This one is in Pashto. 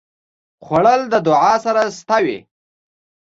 خوړل د دعا سره شته وي